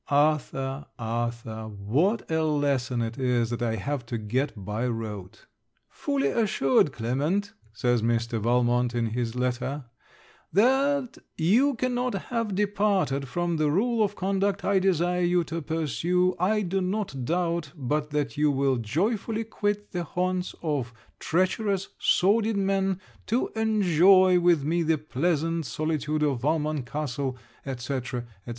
Arthur, Arthur, what a lesson it is that I have to get by rote! 'Fully assured, Clement,' says Mr. Valmont in his letter, 'that you cannot have departed from the rule of conduct I desired you to pursue, I do not doubt but that you will joyfully quit the haunts of treacherous sordid men, to enjoy with me the pleasant solitude of Valmont castle, &c. &c.'